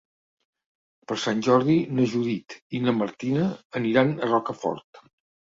Per Sant Jordi na Judit i na Martina aniran a Rocafort.